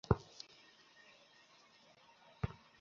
তুমি ইতোমধ্যেই জানো যে কিসের সন্ধান করছ!